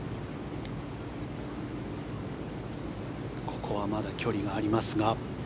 ここはまだ距離がありますが。